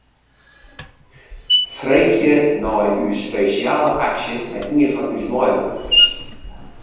Freegje nei ús spesjale aksje by ien fan ús meiwurkers.